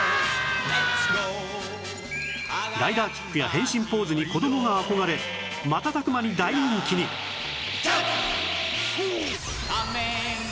ライダーキックや変身ポーズに子供が憧れ瞬く間に大人気にが生み出されている